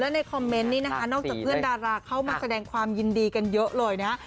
และในคอมเม้นต์นี้นอกจากเพื่อนดาราเข้ามาแสดงความยินดีกันเยอะหรือยัง